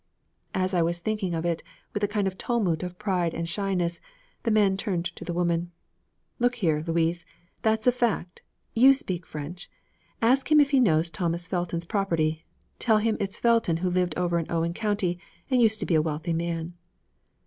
As I was thinking of it with a kind of tumult of pride and shyness, the man turned to the woman. 'Look here, Louise; that's a fact! You speak French! Ask him if he knows Thomas Felton's property. Tell him it's Felton who lived over in Owen County and used to be a wealthy man.'